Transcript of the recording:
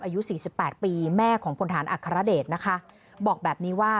อายุ๔๘ปีแม่ของผลทหารอัครเดชนะคะบอกแบบนี้ว่า